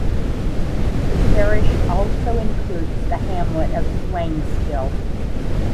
The parish also includes the hamlet of Swainshill.